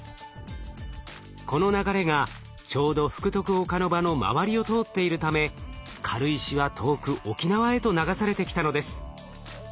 この流れがちょうど福徳岡ノ場の周りを通っているため軽石は遠く沖縄へと流されてきたのです。